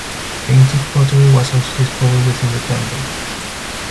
Painted pottery was also discovered within the temple.